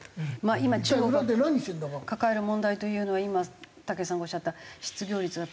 今中国が抱える問題というのは今たけしさんがおっしゃった失業率が高いと。